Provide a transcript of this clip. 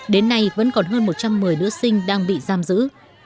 đến nay vẫn còn hơn một trăm một mươi nữ sinh đang bị giam giữ